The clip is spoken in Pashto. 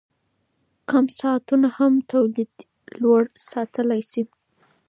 کم ساعتونه هم تولیدیت لوړ ساتلی شي.